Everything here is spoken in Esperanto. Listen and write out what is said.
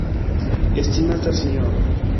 Estimata Sinjoro.